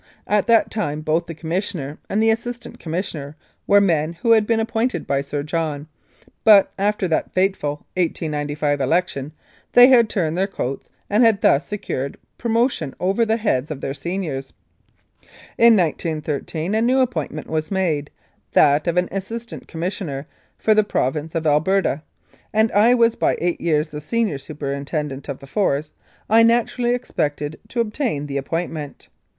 At that time both the Commissioner and the Assistant Commissioner were men who had been ap pointed by Sir John, but, after the fateful 1895 election they had turned their coats and had thus secured pro motion over the heads of their seniors. In 1913 a new appointment was made, that of an Assistant Commis sioner for the Province of Alberta, and as I was by eight years the senior superintendent of the Force I naturally expected to obtain the appointment.